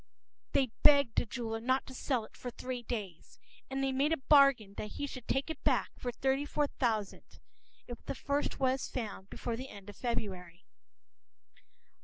p>They begged the jeweler not to sell it for three days. And they made a bargain that he should take it back for thirty four thousand, if the first was found before the end of February.